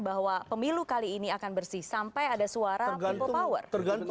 bahwa pemilu kali ini akan bersih sampai ada suara people power